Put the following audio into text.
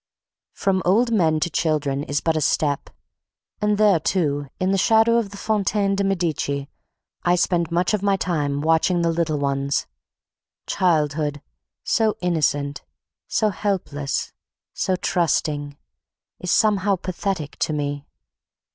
From old men to children is but a step, and there too, in the shadow of the Fontaine de Medicis, I spend much of my time watching the little ones. Childhood, so innocent, so helpless, so trusting, is somehow pathetic to me.